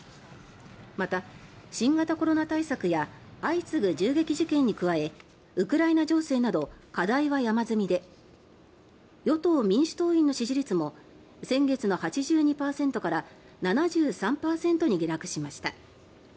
また、新型コロナ対策や相次ぐ銃撃事件に加えウクライナ情勢など課題は山積みで与党・民主党員の支持率も先月の８２％から７３％に下落しました。